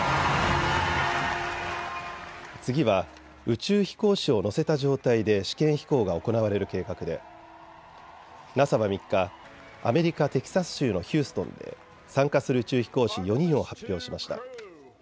次は宇宙飛行士を乗せた状態で試験飛行が行われる計画でＮＡＳＡは３日、アメリカ・テキサス州のヒューストンで参加する宇宙飛行士４人を発表しました。